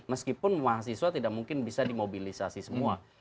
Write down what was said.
meskipun mahasiswa tidak mungkin bisa dimobilisasi semua